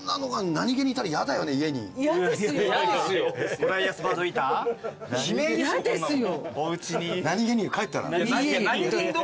何げに帰ったら。